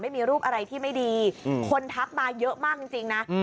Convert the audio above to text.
ไม่มีรูปอะไรที่ไม่ดีคนทักมาเยอะมากจริงนะ